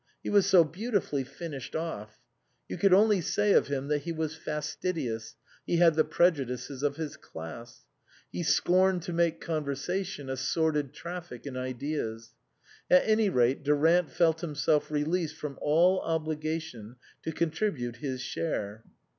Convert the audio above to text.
He was so beautifully finished off. You could only say of him that he was fastidious, he had the prejudices of his class. He scorned to make conversation a sordid traffic in ideas. At any rate Durant felt himself released from all obligation to contribute his share.